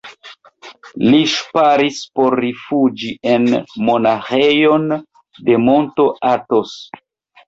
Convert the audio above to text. Li ŝparis por rifuĝi en monaĥejon de monto Atos.